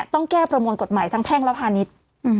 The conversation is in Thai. ต้องแก้ประมวลกฎหมายทั้งแพ่งและพาณิชย์